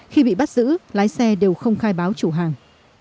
khi bị bắt giữ lái xe đều không khai báo chủ hàng